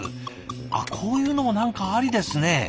あっこういうのも何かありですね。